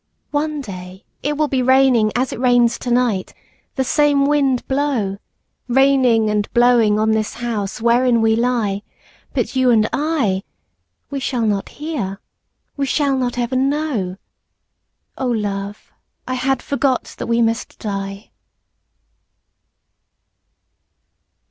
One day it will be raining as it rains tonight; the same wind blowing; Raining and blowing on this house wherein we lie: but you and I—We shall not hear, we shall not ever know.O love, I had forgot that we must die.